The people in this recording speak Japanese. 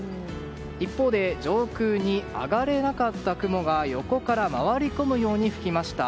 一方、上空に上がれなかった雲が横から回り込むように吹きました。